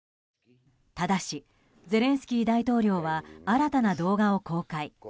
ただし、ゼレンスキー大統領は新たな動画を公開。